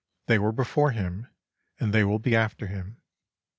They were before him, and they will be after him.